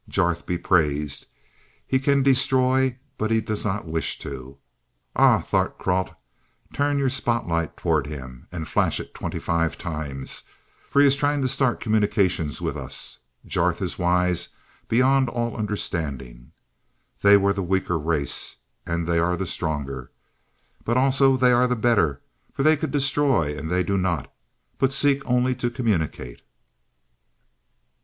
"Jarth Be Praised. He can destroy, but does not wish to. Ah, Thart Kralt, turn your spotlight toward him, and flash it twenty five times, for he is trying to start communications with us. Jarth is wise beyond all understanding. They were the weaker race, and they are the stronger. But also they are the better, for they could destroy, and they do not, but seek only to communicate."